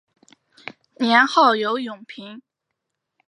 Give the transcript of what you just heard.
年号有永平。